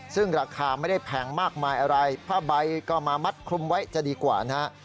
ซึ่งราคาไม่ได้แพงมากมายอะไรผ้าใบก็มามัดคลุมไว้จะดีกว่านะฮะ